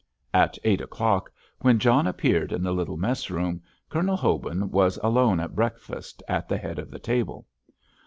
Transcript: At eight o'clock, when John appeared in the little mess room, Colonel Hobin was alone at breakfast, at the head of the table.